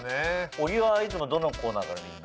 小木はいつもどのコーナーから見るの？